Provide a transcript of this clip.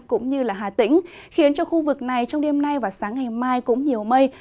cũng như hà tĩnh khiến cho khu vực này trong đêm nay và sáng ngày mai cũng nhiều mây